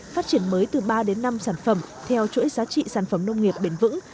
phát triển mới từ ba đến năm sản phẩm theo chuỗi giá trị sản phẩm nông nghiệp bền vững